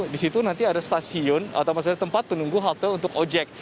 disitu nanti ada stasiun atau maksudnya tempat penunggu halte untuk ojek